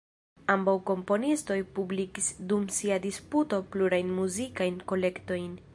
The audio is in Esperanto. Ambaŭ komponistoj publikis dum sia disputo plurajn muzikajn kolektojn.